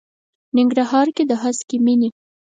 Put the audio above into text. ننګرهار کې د هسکې مېنې.